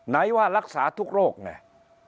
ไหนว่ารักษาทุกโรคไง